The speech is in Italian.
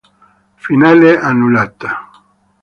Finale annullata